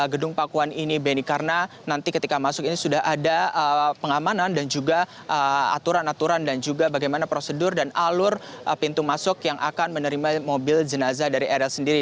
gedung pakuan ini beni karena nanti ketika masuk ini sudah ada pengamanan dan juga aturan aturan dan juga bagaimana prosedur dan alur pintu masuk yang akan menerima mobil jenazah dari eril sendiri